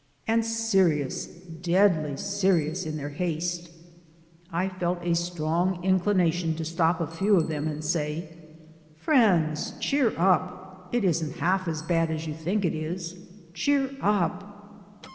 And serious, deadly serious, in their haste! I felt a strong inclination to stop a few of them and say: "Friends, cheer up. It isn't half as bad as you think it is. Cheer up!"